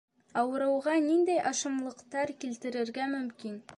Ауырыуға ниндәй ашамлыҡтар килтерергә мөмкин?